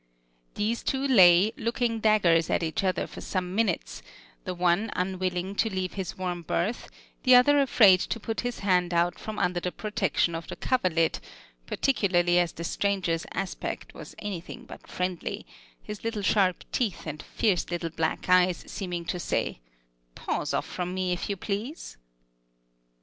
These two lay looking daggers at each other for some minutes, the one unwilling to leave his warm berth, the other afraid to put his hand out from under the protection of the coverlid, particularly as the stranger's aspect was anything but friendly, his little sharp teeth and fierce little black eyes seeming to say, "Paws off from me, if you please!"